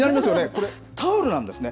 これタオルなんですね。